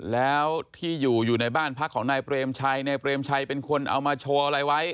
แล้วที่อยู่อยู่ในบ้านพักของนายเปรมชัยนายเปรมชัยเป็นคนเอามาโชว์อะไรไว้